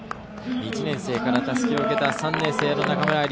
１年生からたすきを受けた３年生の中村愛莉。